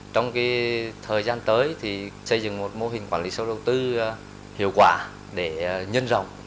trong thời gian tới xây dựng một mô hình quản lý sâu đầu tư hiệu quả để nhân rộng